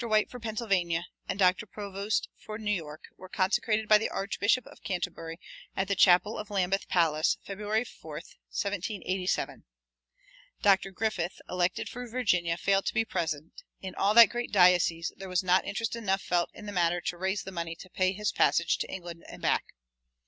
White for Pennsylvania, and Dr. Provoost for New York, were consecrated by the Archbishop of Canterbury at the chapel of Lambeth Palace, February 4, 1787. Dr. Griffith, elected for Virginia, failed to be present; in all that great diocese there was not interest enough felt in the matter to raise the money to pay his passage to England and back.